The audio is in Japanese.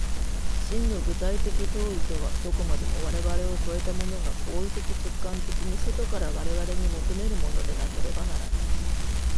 真の具体的当為とは、どこまでも我々を越えたものが行為的直観的に外から我々に求めるものでなければならない。